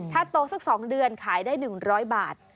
ถ้าโตสัก๒เดือนขายได้๑๐๐บาท